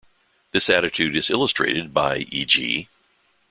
This attitude is illustrated by e.g.